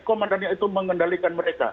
komandannya itu mengendalikan mereka